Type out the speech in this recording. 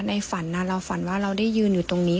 ในฝันเราฝันว่าเราได้ยืนอยู่ตรงนี้